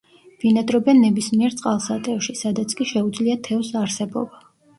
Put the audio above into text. ბინადრობენ ნებისმიერ წყალსატევში, სადაც კი შეუძლია თევზს არსებობა.